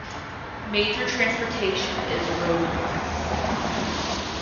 Major transportation is road ways.